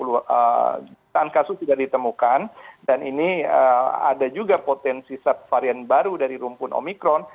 jutaan kasus sudah ditemukan dan ini ada juga potensi varian baru dari rumpun omikron